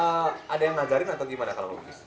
lo ada yang ngajarin atau gimana kalau ngelukis